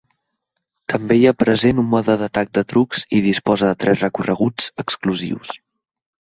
També hi ha present un mode d'atac de trucs i disposa de tres recorreguts exclusius.